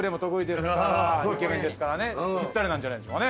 イケメンですからねぴったりなんじゃないでしょうか。